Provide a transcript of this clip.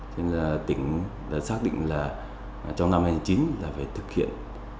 thế nên là tỉnh đã xác định là trong năm hai nghìn một mươi chín là phải thực hiện